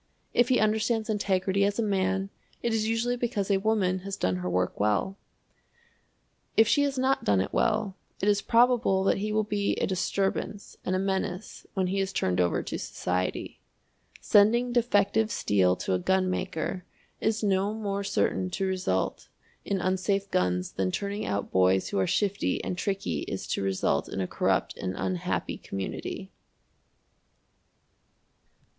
If he understands integrity as a man, it is usually because a woman has done her work well. If she has not done it well, it is probable that he will be a disturbance and a menace when he is turned over to society. Sending defective steel to a gunmaker is no more certain to result in unsafe guns than turning out boys who are shifty and tricky is to result in a corrupt and unhappy community.